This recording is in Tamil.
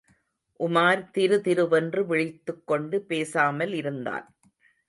உமார் திரு திருவென்று விழித்துக் கொண்டு பேசாமல் இருந்தான்.